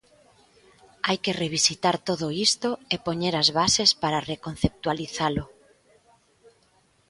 Hai que revisitar todo isto e poñer as bases para reconceptualizalo.